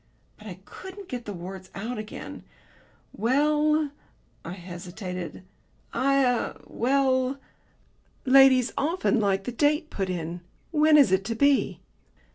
But I couldn't get the words out again. "Well," I hesitated, "I er well." "Ladies often like the date put in. When is it to be?"